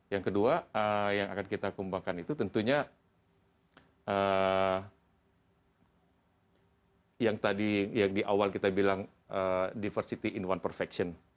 yang kedua yang akan kita kembangkan itu tentunya yang tadi yang di awal kita bilang diversity in one perfection